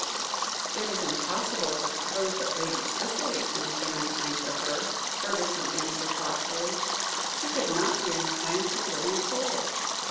"It is impossible to suppose that Lady Cicely can have been unkind to her," Fergusson answered thoughtfully; "she could not be unkind to a living soul.